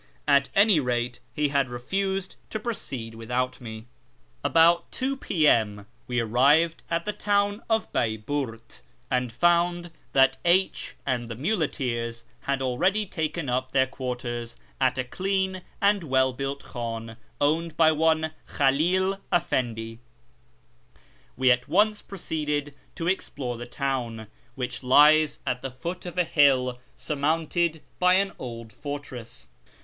At any rate he had refused to proceed without me. About '1 VM. we arrived at the town of Baiburt, and found that H and the nmleteers had already taken up their quarters at a clean and well built khdn owned by one Khali'l Efendi. We at once proceeded to explore the town, which lies at the foot of a hill surmounted by an old fortress.